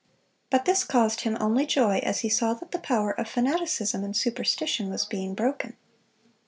But this caused him only joy as he saw that the power of fanaticism and superstition was being broken.